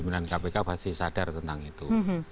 dan kpk pasti sadar tentang itu